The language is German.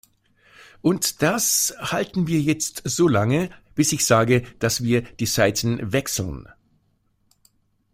Und das halten wir jetzt so lange, bis ich sage, dass wir die Seiten wechseln.